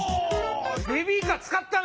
ベビーカー使ったね！